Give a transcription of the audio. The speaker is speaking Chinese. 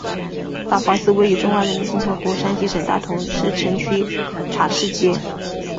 法华寺位于中华人民共和国山西省大同市城区塔寺街。